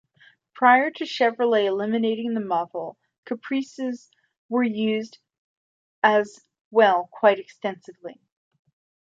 Prior to Chevrolet eliminating the model, Caprices were used as well quite extensively.